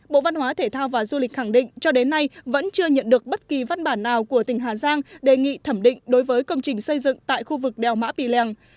bộ văn hóa thể thao và du lịch khẳng định cho đến nay vẫn chưa nhận được bất kỳ văn bản nào của tỉnh hà giang đề nghị thẩm định đối với công trình xây dựng tại khu vực đèo mã pì lèng